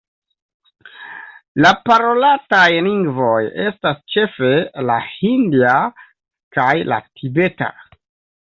La parolataj lingvoj estas ĉefe la hindia kaj la tibeta.